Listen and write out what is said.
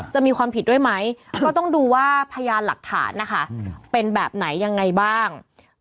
จะมีความผิดด้วยไหมก็ต้องดูว่าพยานหลักฐานนะคะเป็นแบบไหนยังไงบ้าง